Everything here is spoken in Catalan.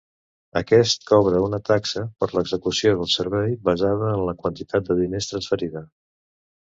Aquest cobra una taxa per l'execució del servei basada en la quantitat de diners transferida.